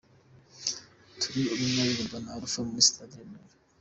Turi umwe’ iririmbwa na Alpha muri Stade i Remera: .